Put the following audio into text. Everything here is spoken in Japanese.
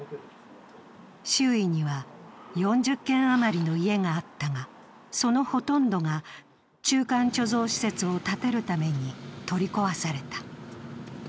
周囲には４０軒余りの家があったが、そのほとんどが中間貯蔵施設を建てるために取り壊された。